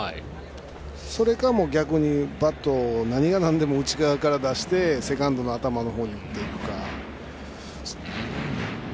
それか逆にバットを何がなんでも内側から出してセカンドの頭のほうに打っていくか。